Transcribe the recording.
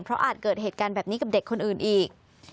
เพราะอาจเกิดเหตุการณ์แบบนี้กับเด็กคนอื่นอีก